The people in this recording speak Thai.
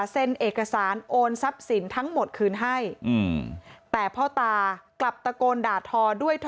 เซ็นเอกสารโอนทรัพย์สินทั้งหมดคืนให้แต่พ่อตากลับตะโกนด่าทอด้วยเธอ